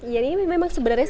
ya ini memang sebenarnya